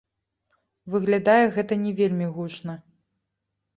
Выглядае гэта не вельмі гучна.